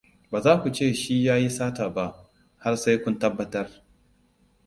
Ba za ku ce shi ya yi sata ba, har sai kun tabbatar.